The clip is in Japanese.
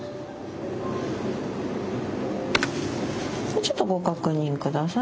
ちょっとご確認下さい。